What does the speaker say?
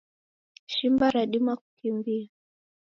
Shimba radima kukimbia.